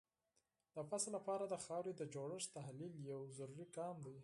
د فصل لپاره د خاورې د جوړښت تحلیل یو ضروري ګام دی.